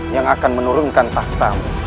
yang akan menurunkan tahtamu